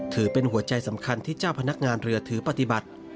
ถือเป็นหัวใจสำคัญที่เจ้าพนักงานเรือถือปฏิบัติ